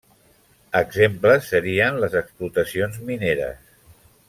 Exemples serien les explotacions mineres.